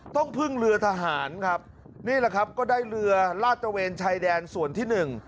ต้องพึ่งเรือทหารครับนี่แหละครับก็ได้เรือลาดตระเวนชายแดนส่วนที่หนึ่ง